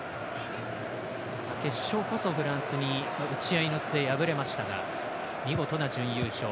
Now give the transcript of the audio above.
決勝こそフランスに打ち合いの末、敗れましたが見事な準優勝。